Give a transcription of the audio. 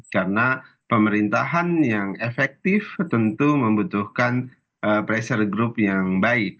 karena pemerintahan yang efektif tentu membutuhkan pressure group yang baik